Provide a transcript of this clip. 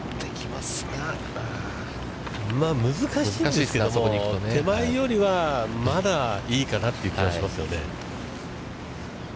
まあ難しいですけども手前よりはまだいいかなという気はしますよね。